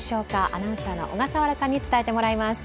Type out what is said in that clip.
アナウンサーの小笠原さんに伝えてもらいます。